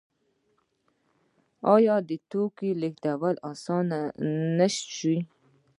آیا د توکو لیږد اسانه نشو؟